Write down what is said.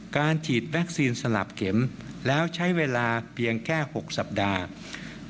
การฉีดวัคซีนสลับเข็มแล้วใช้เวลาเพียงแค่๖สัปดาห์